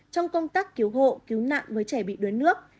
trong công tác cứu hộ cứu nạn với trẻ bị đuối nước